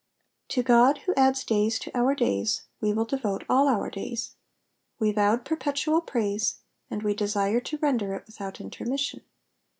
''^ To God who adds days to our days we will devote all our days. We vowed perpetual praise, and we desire to render it without intermission.